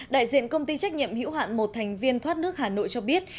đại diện công ty trách nhiệm hữu hạn một thành viên thoát nước hà nội cho biết